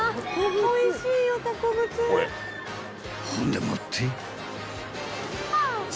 ［ほんでもって］